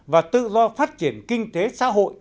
và tự do phát triển kinh tế xã hội